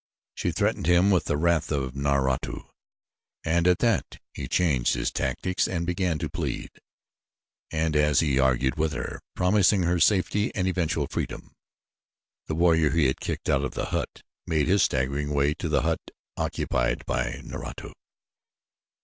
She threatened him with the wrath of Naratu, and at that he changed his tactics and began to plead, and as he argued with her, promising her safety and eventual freedom, the warrior he had kicked out of the hut made his staggering way to the hut occupied by Naratu.